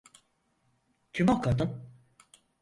Kim o kadın?